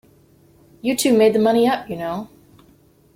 You two made the money up, you know!